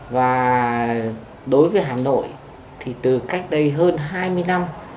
và đối với hà nội thì từ cách đây hơn hai mươi năm